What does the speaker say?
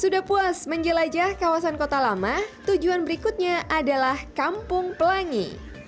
sudah puas menjelajah kawasan kota lama tujuan berikutnya adalah kampung pelangi